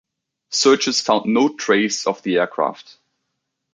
Searches found no trace of the aircraft.